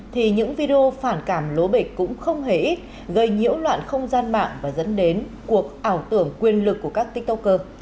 thì những video phản cảm lố bịch cũng không hề ít gây nhiễu loạn không gian mạng và dẫn đến cuộc ảo tưởng quyền lực của các tiktoker